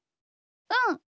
うん。